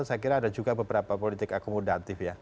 saya kira ada juga beberapa politik akomodatif ya